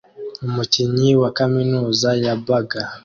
Umukinnyi wa kaminuza ya Baga